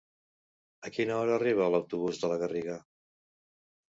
A quina hora arriba l'autobús de la Garriga?